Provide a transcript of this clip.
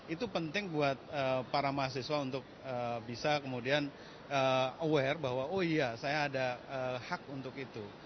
itu penting buat para mahasiswa untuk bisa kemudian aware bahwa oh iya saya ada hak untuk itu